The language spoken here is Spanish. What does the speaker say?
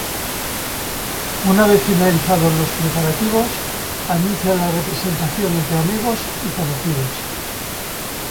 Una vez finalizados los preparativos, anuncia la representación entre amigos y conocidos.